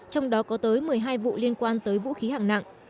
trong đó có tới một mươi hai vụ liên quan tới vũ khí hạng nặng